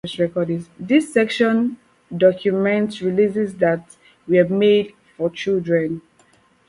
This section documents releases that were made for children.